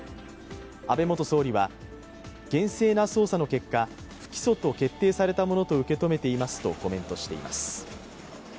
安倍元総理は、厳正な捜査の結果、不起訴と決定されたものと受け止めていますとコメントしています。